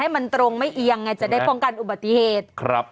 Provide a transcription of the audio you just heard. มันตรงไม่เอียงไงจะได้ป้องกันอุบัติเหตุ